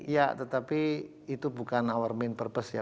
ya tetapi itu bukan our main purpose ya